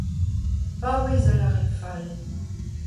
Paouez a lâret fall.